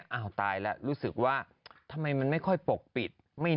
อ้าวตายแล้วรู้สึกว่าทำไมมันไม่ค่อยปกปิด